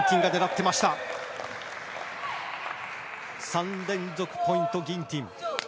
３連続ポイント、ギンティン。